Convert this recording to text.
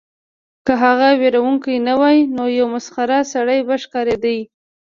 که هغه ویرونکی نه وای نو یو مسخره سړی به ښکاریده